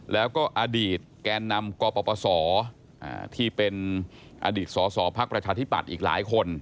แล้วก็อดีตแกนนำกปศที่เป็นอดีตสอสอภักดิ์ประชาธิปัตย์อีกหลายคน